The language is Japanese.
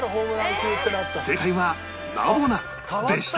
正解はナボナでした